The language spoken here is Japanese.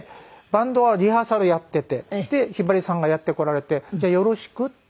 バンドはリハーサルやっていてでひばりさんがやって来られて「じゃあよろしく」って言われて。